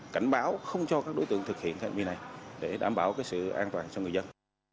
cảnh báo không cho các đối tượng thực hiện hành vi này để đảm bảo sự an toàn cho người dân